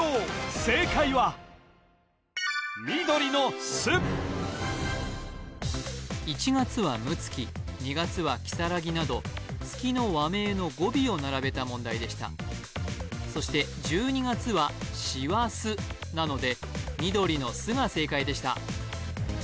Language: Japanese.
正解は緑の「す」１月は睦月２月は如月など月の和名の語尾を並べた問題でしたそして１２月は「しわす」なので緑の「す」が正解でした